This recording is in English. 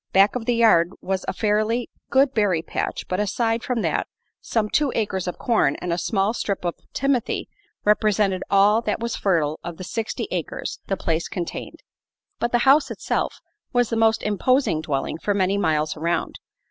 Back of the yard was a fairly good berry patch, but aside from that some two acres of corn and a small strip of timothy represented all that was fertile of the sixty acres the place contained. But the house itself was the most imposing dwelling for many miles around.